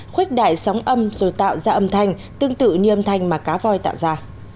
khuếch đại sóng âm rồi tạo ra âm thanh tương tự như âm thanh mà cá voi tạo ra